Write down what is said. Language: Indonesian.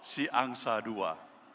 si angsa dua